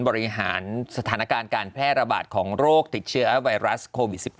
บริหารสถานการณ์การแพร่ระบาดของโรคติดเชื้อไวรัสโควิด๑๙